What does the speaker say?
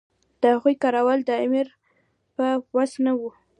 د هغوی کرارول د امیر په وس نه وو.